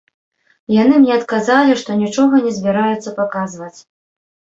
Яны мне адказалі, што нічога не збіраюцца паказваць.